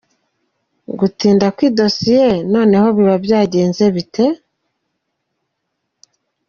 Gutinda kw’idosiye noneho biba byagenze bite?.